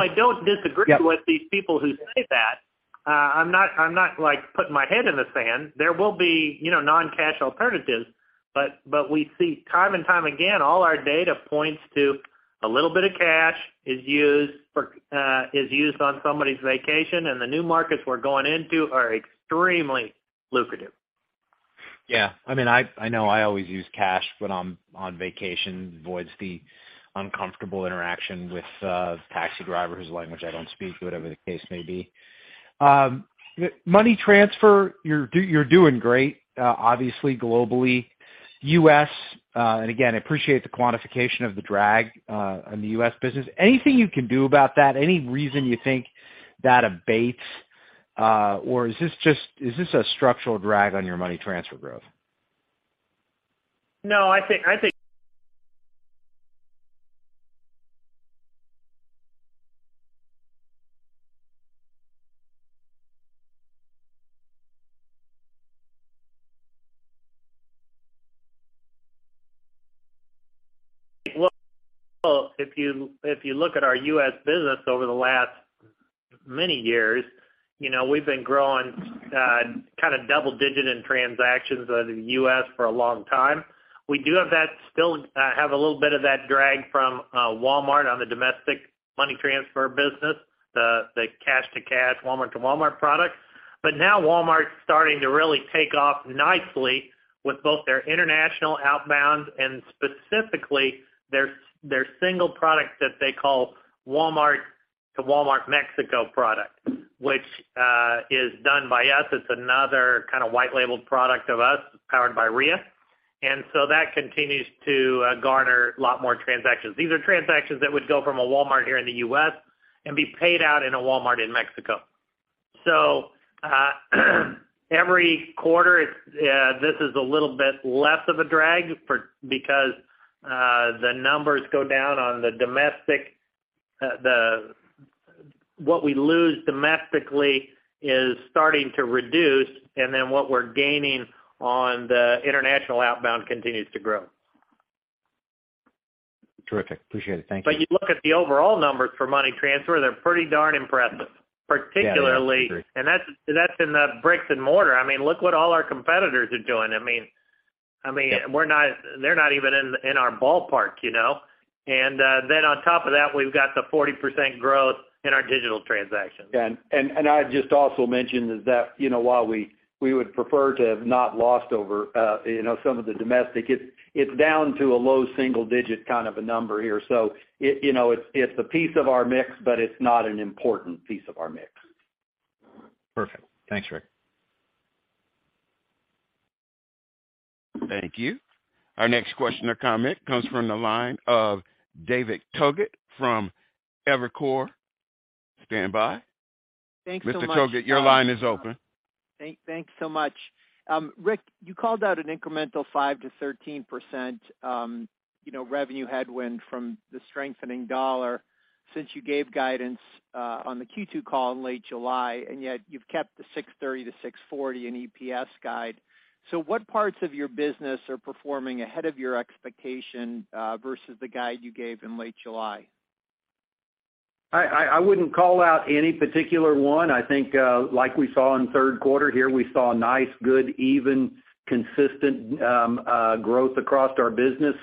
[SPEAKER 4] I don't disagree.
[SPEAKER 6] Yeah.
[SPEAKER 4] With these people who say that. I'm not like putting my head in the sand. There will be, you know, non-cash alternatives. But we see time and time again, all our data points to a little bit of cash is used on somebody's vacation, and the new markets we're going into are extremely lucrative.
[SPEAKER 6] Yeah. I mean, I know I always use cash when I'm on vacation. It avoids the uncomfortable interaction with taxi drivers whose language I don't speak, whatever the case may be. Money transfer, you're doing great, obviously globally. U.S., and again, appreciate the quantification of the drag on the U.S. business. Anything you can do about that? Any reason you think that abates? Is this just a structural drag on your money transfer growth?
[SPEAKER 4] No, I think. Well, if you look at our U.S. business over the last many years, you know, we've been growing, kinda double digit in transactions out of the U.S. for a long time. We do have that still, a little bit of that drag from Walmart on the domestic money transfer business, the cash to cash, Walmart to Walmart products. Now Walmart's starting to really take off nicely with both their international outbound and specifically their single product that they call Walmart to Walmart Mexico product, which is done by us. It's another kinda white labeled product of us powered by Ria. That continues to garner a lot more transactions. These are transactions that would go from a Walmart here in the U.S. and be paid out in a Walmart in Mexico. Every quarter, it's a little bit less of a drag because the numbers go down on the domestic. What we lose domestically is starting to reduce, and then what we're gaining on the international outbound continues to grow.
[SPEAKER 6] Terrific. Appreciate it. Thank you.
[SPEAKER 4] you look at the overall numbers for money transfer, they're pretty darn impressive, particularly.
[SPEAKER 6] Yeah. I agree.
[SPEAKER 4] That's in the bricks and mortar. I mean, look what all our competitors are doing. I mean, they're not even in our ballpark, you know? Then on top of that, we've got the 40% growth in our digital transactions.
[SPEAKER 3] I'd just also mention is that, you know, while we would prefer to have not lost over, you know, some of the domestic, it's down to a low single digit kind of a number here. It, you know, it's a piece of our mix, but it's not an important piece of our mix.
[SPEAKER 6] Perfect. Thanks, Rick.
[SPEAKER 1] Thank you. Our next question or comment comes from the line of David Togut from Evercore. Stand by.
[SPEAKER 7] Thanks so much.
[SPEAKER 1] Mr. Togut, your line is open.
[SPEAKER 7] Thanks so much. Rick, you called out an incremental 5%-13%, you know, revenue headwind from the strengthening dollar since you gave guidance on the Q2 call in late July, and yet you've kept the $6.30-$6.40 in EPS guide. What parts of your business are performing ahead of your expectation versus the guide you gave in late July?
[SPEAKER 3] I wouldn't call out any particular one. I think like we saw in third quarter here, we saw nice, good, even, consistent growth across our business.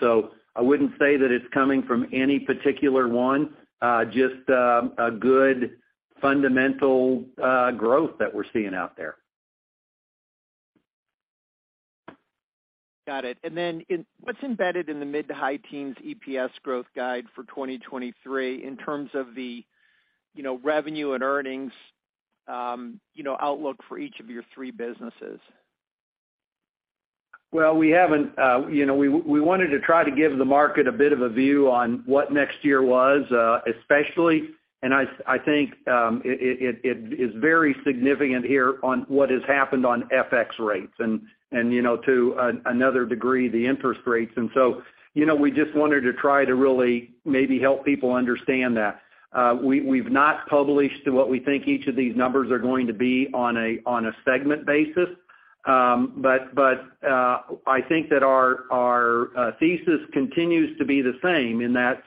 [SPEAKER 3] I wouldn't say that it's coming from any particular one. Just a good fundamental growth that we're seeing out there.
[SPEAKER 7] Got it. What's embedded in the mid- to high-teens EPS growth guide for 2023 in terms of the, you know, revenue and earnings, you know, outlook for each of your three businesses?
[SPEAKER 3] Well, we haven't, you know, we wanted to try to give the market a bit of a view on what next year was, especially. I think it is very significant here on what has happened on FX rates and, you know, to another degree, the interest rates. You know, we just wanted to try to really maybe help people understand that. We've not published what we think each of these numbers are going to be on a segment basis. I think that our thesis continues to be the same in that,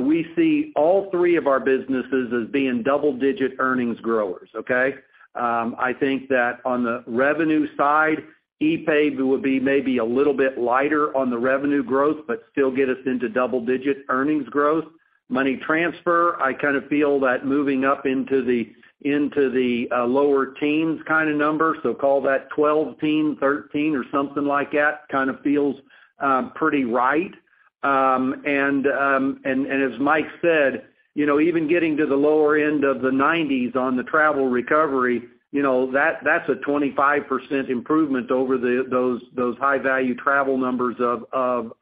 [SPEAKER 3] we see all three of our businesses as being double-digit earnings growers, okay? I think that on the revenue side, epay would be maybe a little bit lighter on the revenue growth, but still get us into double-digit earnings growth. Money transfer, I kinda feel that moving up into the lower teens kinda number. Call that 12%-13% or something like that, kinda feels pretty right. As Mike said, you know, even getting to the lower end of the 90s on the travel recovery, you know, that that's a 25% improvement over those high-value travel numbers of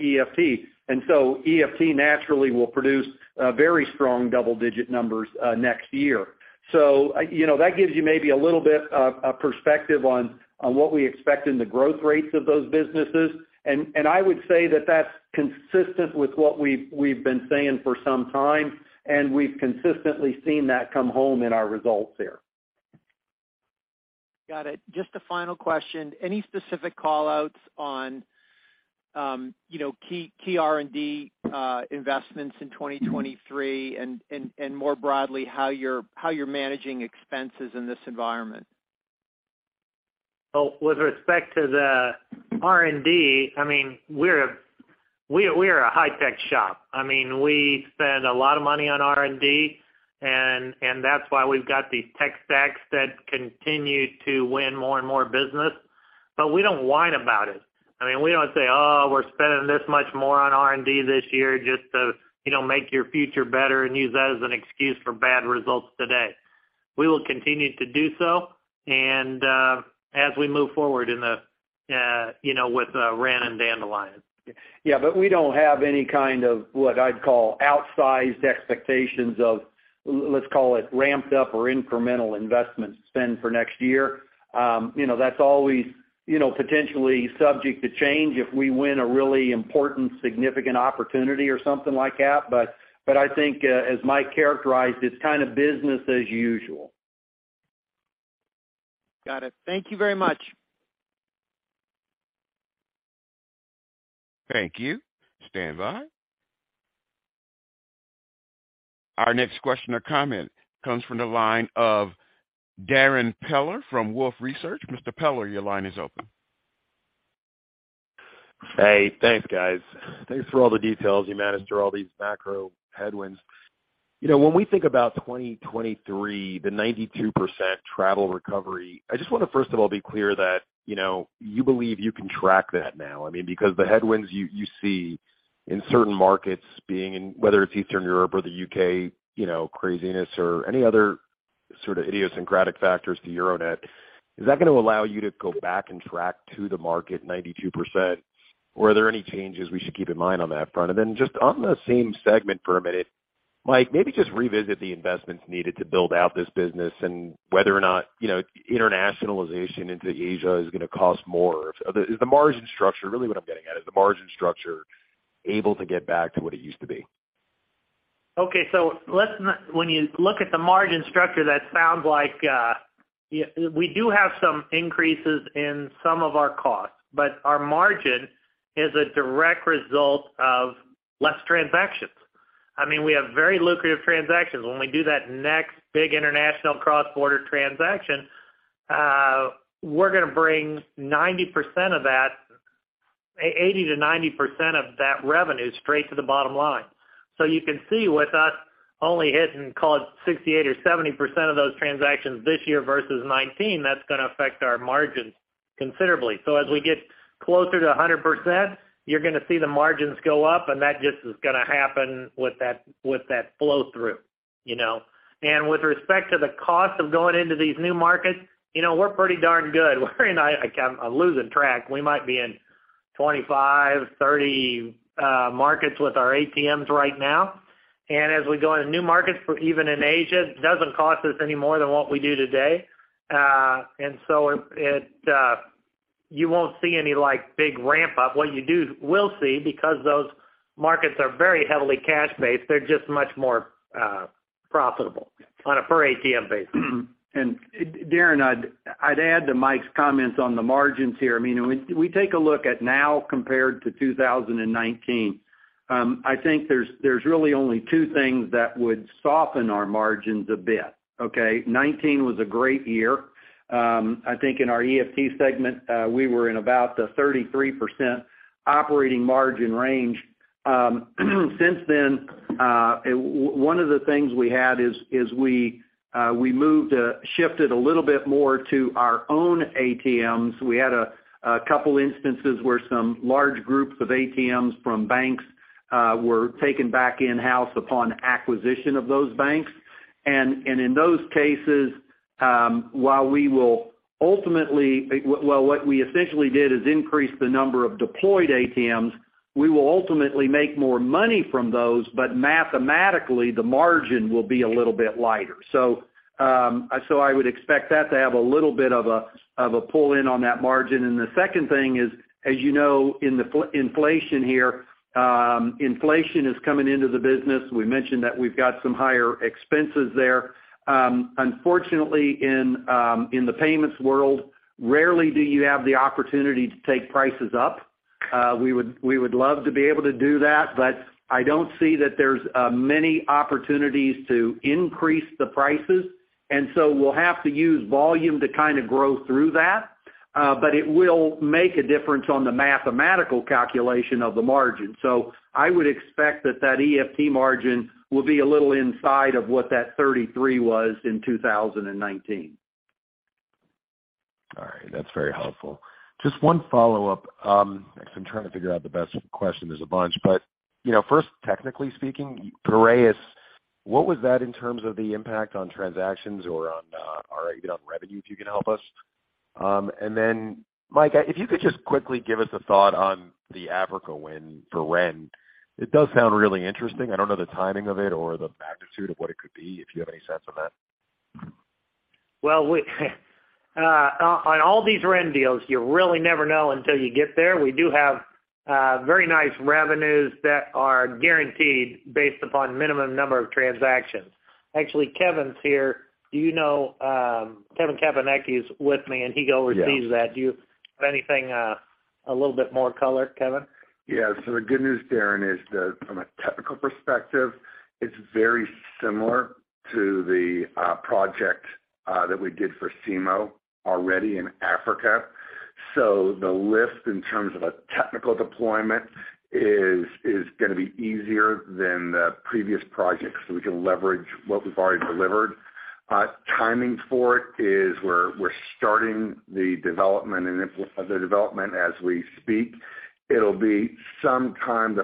[SPEAKER 3] EFT. EFT naturally will produce a very strong double-digit numbers next year. You know, that gives you maybe a little bit of perspective on what we expect in the growth rates of those businesses. I would say that that's consistent with what we've been saying for some time, and we've consistently seen that come home in our results there.
[SPEAKER 7] Got it. Just a final question. Any specific call-outs on, you know, key R&D investments in 2023, and more broadly, how you're managing expenses in this environment?
[SPEAKER 4] Well, with respect to the R&D, I mean, we're a high-tech shop. I mean, we spend a lot of money on R&D and that's why we've got these tech stacks that continue to win more and more business. We don't whine about it. I mean, we don't say, "Oh, we're spending this much more on R&D this year just to, you know, make your future better," and use that as an excuse for bad results today. We will continue to do so, and as we move forward, you know, with Ren and Dandelion.
[SPEAKER 3] Yeah, we don't have any kind of what I'd call outsized expectations of, let's call it, ramped up or incremental investment spend for next year. You know, that's always, you know, potentially subject to change if we win a really important, significant opportunity or something like that. I think, as Mike characterized, it's kind of business as usual.
[SPEAKER 7] Got it. Thank you very much.
[SPEAKER 1] Thank you. Standby. Our next question or comment comes from the line of Darrin Peller from Wolfe Research. Mr. Peller, your line is open.
[SPEAKER 8] Hey, thanks, guys. Thanks for all the details. You managed through all these macro headwinds. You know, when we think about 2023, the 92% travel recovery, I just want to first of all be clear that, you know, you believe you can track that now. I mean, because the headwinds you see in certain markets whether it's Eastern Europe or the U.K., you know, craziness or any other sort of idiosyncratic factors to Euronet, is that gonna allow you to go back and track to the market 92%? Or are there any changes we should keep in mind on that front? Just on the same segment for a minute, Mike, maybe just revisit the investments needed to build out this business and whether or not, you know, internationalization into Asia is gonna cost more. Is the margin structure, really what I'm getting at, is the margin structure able to get back to what it used to be?
[SPEAKER 4] When you look at the margin structure, that sounds like we do have some increases in some of our costs, but our margin is a direct result of less transactions. I mean, we have very lucrative transactions. When we do that next big international cross-border transaction, we're gonna bring 80%-90% of that revenue straight to the bottom line. You can see with us only hitting, call it, 68% or 70% of those transactions this year versus 2019, that's gonna affect our margins considerably. As we get closer to 100%, you're gonna see the margins go up, and that just is gonna happen with that flow through, you know. With respect to the cost of going into these new markets, you know, we're pretty darn good. I'm losing track. We might be in 25, 30 markets with our ATMs right now. As we go into new markets, even in Asia, it doesn't cost us any more than what we do today. It, you won't see any, like, big ramp up. What you will see, because those markets are very heavily cash-based, they're just much more profitable on a per ATM basis.
[SPEAKER 3] Darrin, I'd add to Mike's comments on the margins here. I mean, when we take a look at now compared to 2019, I think there's really only two things that would soften our margins a bit, okay? 2019 was a great year. I think in our EFT segment, we were in about the 33% operating margin range. Since then, one of the things we had is we shifted a little bit more to our own ATMs. We had a couple instances where some large groups of ATMs from banks were taken back in-house upon acquisition of those banks. In those cases, while we will ultimately what we essentially did is increase the number of deployed ATMs. We will ultimately make more money from those, but mathematically, the margin will be a little bit lighter. I would expect that to have a little bit of a pull-in on that margin. The second thing is, as you know, in the inflation here, inflation is coming into the business. We mentioned that we've got some higher expenses there. Unfortunately in the payments world, rarely do you have the opportunity to take prices up. We would love to be able to do that, but I don't see that there's many opportunities to increase the prices. We'll have to use volume to kind of grow through that, but it will make a difference on the mathematical calculation of the margin. I would expect that EFT margin will be a little inside of what that 33% was in 2019.
[SPEAKER 8] All right. That's very helpful. Just one follow-up, as I'm trying to figure out the best question. There's a bunch. You know, first, technically speaking, Piraeus, what was that in terms of the impact on transactions or on, or even on revenue, if you can help us? Then Mike, if you could just quickly give us a thought on the Africa win for Ren. It does sound really interesting. I don't know the timing of it or the magnitude of what it could be, if you have any sense of that.
[SPEAKER 4] Well, we on all these Ren deals, you really never know until you get there. We do have very nice revenues that are guaranteed based upon minimum number of transactions. Actually, Kevin's here. Do you know Kevin Caponecchi is with me, and he oversees that. Do you have anything, a little bit more color, Kevin?
[SPEAKER 9] Yeah. The good news, Darrin, is that from a technical perspective, it's very similar to the project that we did for SIMO already in Africa. The lift in terms of a technical deployment is gonna be easier than the previous project, so we can leverage what we've already delivered. Timing for it is we're starting the development and the development as we speak. It'll be sometime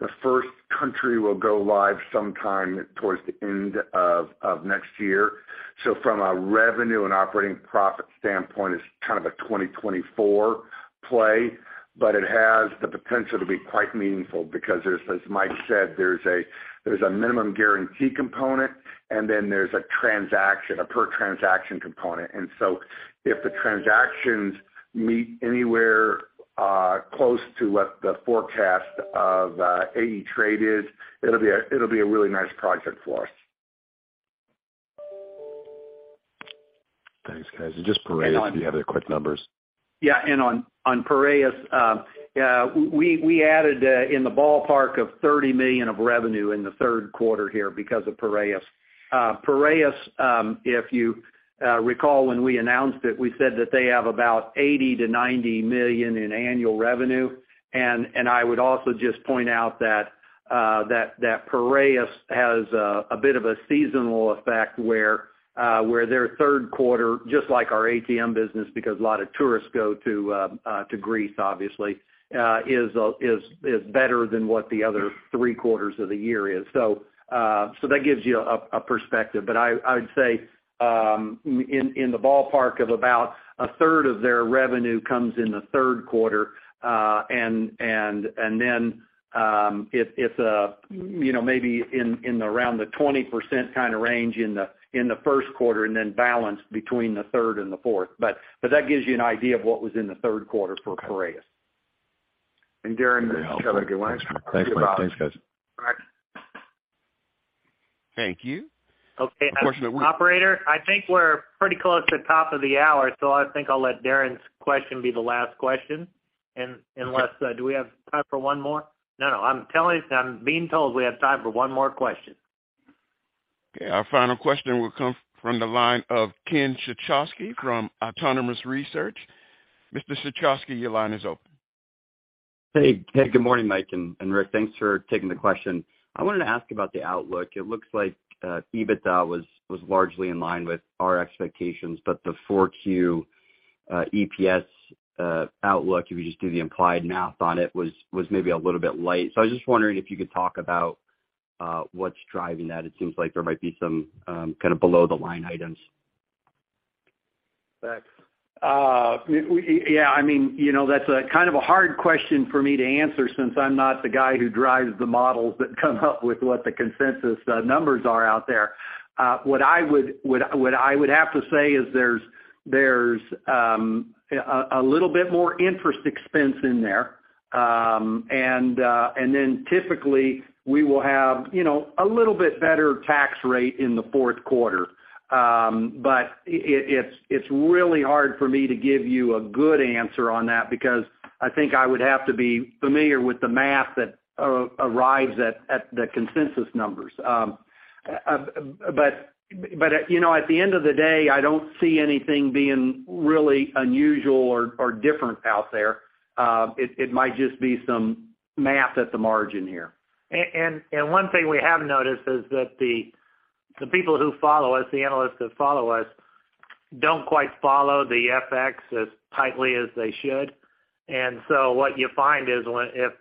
[SPEAKER 9] the first country will go live sometime towards the end of next year. From a revenue and operating profit standpoint, it's kind of a 2024 play, but it has the potential to be quite meaningful because there's, as Mike said, there's a minimum guarantee component, and then there's a transaction, a per transaction component. If the transactions meet anywhere close to what the forecast of AeTrade Group is, it'll be a really nice project for us.
[SPEAKER 8] Thanks, guys. Just Piraeus, do you have the quick numbers?
[SPEAKER 3] Yeah. On Piraeus, we added in the ballpark of $30 million of revenue in the third quarter here because of Piraeus. Piraeus, if you recall when we announced it, we said that they have about $80-$90 million in annual revenue. I would also just point out that Piraeus has a bit of a seasonal effect where their third quarter, just like our ATM business, because a lot of tourists go to Greece obviously, is better than what the other three quarters of the year is. That gives you a perspective. I would say in the ballpark of about a third of their revenue comes in the third quarter. It's you know maybe in and around the 20% kind of range in the first quarter and then balanced between the third and the fourth. That gives you an idea of what was in the third quarter for Piraeus.
[SPEAKER 8] Okay.
[SPEAKER 9] Darrin, good one.
[SPEAKER 8] Thanks, Mike. Thanks, guys.
[SPEAKER 9] All right.
[SPEAKER 1] Thank you.
[SPEAKER 3] Okay.
[SPEAKER 1] Question over.
[SPEAKER 3] Operator, I think we're pretty close to the top of the hour, so I think I'll let Darrin's question be the last question, unless do we have time for one more? No, no, I'm being told we have time for one more question.
[SPEAKER 1] Okay. Our final question will come from the line of Ken Suchoski from Autonomous Research. Mr. Suchoski, your line is open.
[SPEAKER 10] Hey. Good morning, Mike and Rick. Thanks for taking the question. I wanted to ask about the outlook. It looks like EBITDA was largely in line with our expectations, but the Q4 EPS outlook, if you just do the implied math on it, was maybe a little bit light. I was just wondering if you could talk about what's driving that. It seems like there might be some kind of below the line items.
[SPEAKER 9] Thanks.
[SPEAKER 3] Yeah, I mean, you know, that's a kind of a hard question for me to answer since I'm not the guy who drives the models that come up with what the consensus numbers are out there. What I would have to say is there's a little bit more interest expense in there. Then typically we will have, you know, a little bit better tax rate in the fourth quarter. It's really hard for me to give you a good answer on that because I think I would have to be familiar with the math that arrives at the consensus numbers. You know, at the end of the day, I don't see anything being really unusual or different out there. It might just be some math at the margin here.
[SPEAKER 4] One thing we have noticed is that the people who follow us, the analysts that follow us don't quite follow the FX as tightly as they should. What you find is when if,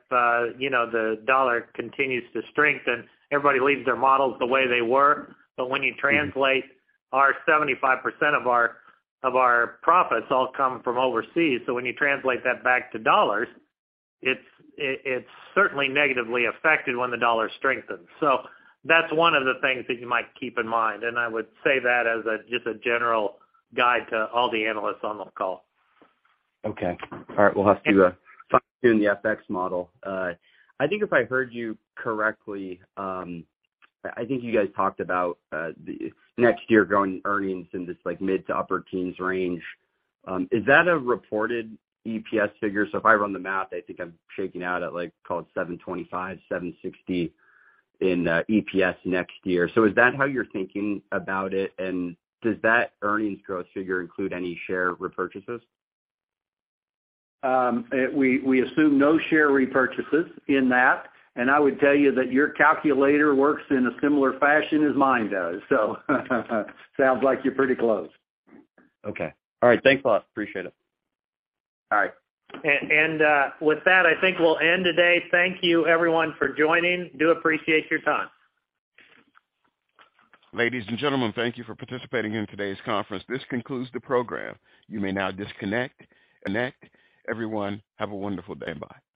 [SPEAKER 4] you know, the dollar continues to strengthen, everybody leaves their models the way they were. When you translate our 75% of our profits all come from overseas. When you translate that back to dollars, it's certainly negatively affected when the dollar strengthens. That's one of the things that you might keep in mind, and I would say that as a just a general guide to all the analysts on the call.
[SPEAKER 10] Okay. All right. We'll have to fine-tune the FX model. I think if I heard you correctly, I think you guys talked about the next year growing earnings in this, like, mid- to upper-teens range. Is that a reported EPS figure? If I run the math, I think I'm shaking out at, like, call it $7.25, $7.60 in EPS next year. Is that how you're thinking about it? Does that earnings growth figure include any share repurchases?
[SPEAKER 3] We assume no share repurchases in that. I would tell you that your calculator works in a similar fashion as mine does. Sounds like you're pretty close.
[SPEAKER 10] Okay. All right. Thanks a lot. Appreciate it.
[SPEAKER 3] All right.
[SPEAKER 4] With that, I think we'll end today. Thank you everyone for joining. Do appreciate your time.
[SPEAKER 1] Ladies and gentlemen, thank you for participating in today's conference. This concludes the program. You may now disconnect. Everyone, have a wonderful day. Bye.